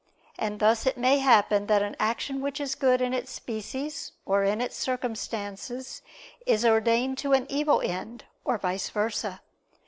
And thus it may happen that an action which is good in its species or in its circumstances is ordained to an evil end, or vice versa.